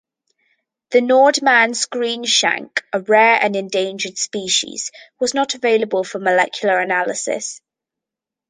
The Nordmann's greenshank, a rare and endangered species, was not available for molecular analyses.